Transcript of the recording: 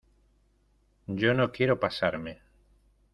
yo no quiero pasarme